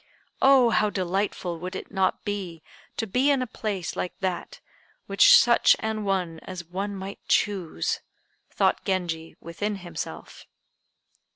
"Oh, how delightful would it not be to be in a place like that which such an one as one might choose!" thought Genji within himself.